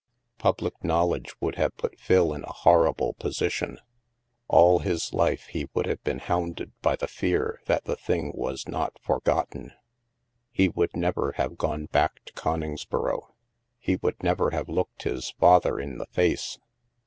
Public knowledge would have put Phil in a horrible position ; all his life he would have been hotmded by the fear that the thing was not forgotten. He would never have gone back to Goningsboro. He would never have looked his father in the face.